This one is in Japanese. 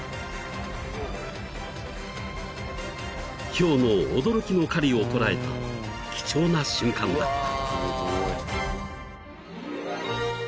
［ヒョウの驚きの狩りを捉えた貴重な瞬間だった］